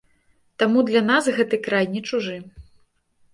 Таму для нас гэты край не чужы.